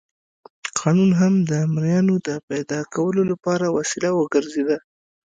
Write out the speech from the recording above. قانون هم د مریانو د پیدا کولو لپاره وسیله وګرځېده.